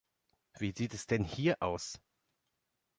Wie sieht es denn hier aus.